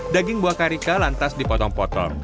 daging buah karika lantas dipotong potong